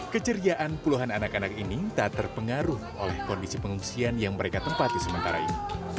keceriaan puluhan anak anak ini tak terpengaruh oleh kondisi pengungsian yang mereka tempati sementara ini